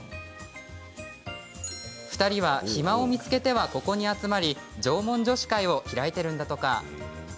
２人は暇を見つけてはここに集まり縄文女子会を開いているんだとか。